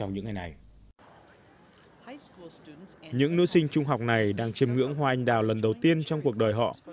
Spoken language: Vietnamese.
những nữ sinh trung học này đang chìm ngưỡng hoa anh đào lần đầu tiên trong cuộc đời họ